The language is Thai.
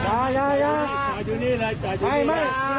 อาหารค่ะ